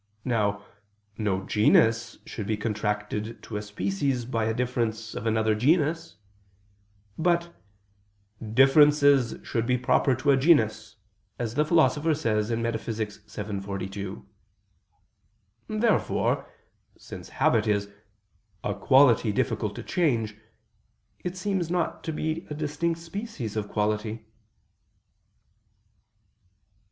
Now, no genus should be contracted to a species by a difference of another genus; but "differences should be proper to a genus," as the Philosopher says in Metaph. vii, text. 42. Therefore, since habit is "a quality difficult to change," it seems not to be a distinct species of quality.